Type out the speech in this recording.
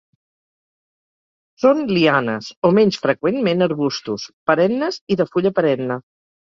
Són lianes, o menys freqüentment arbustos, perennes i de fulla perenne.